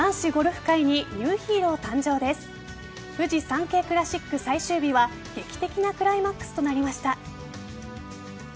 フジサンケイクラシック最終日は劇的なクライマックスとなりました。